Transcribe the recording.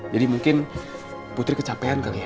mungkin putri kecapean kali ya